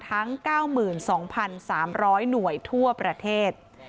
ทั้ง๙๒๓๐๐หน่วยทั่วประเทศ